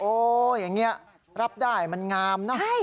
อย่างนี้รับได้มันงามนะ